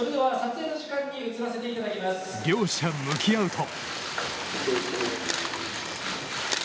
両者向き合うと。